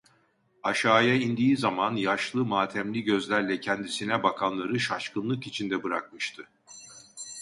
Aşağıya indiği zaman, yaşlı, matemli gözlerle kendisine bakanları şaşkınlık içinde bırakmıştı.